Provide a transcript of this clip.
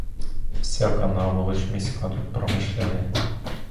Всяка наволоч міська тут промишляє.